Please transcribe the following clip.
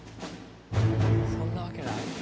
そんなわけない？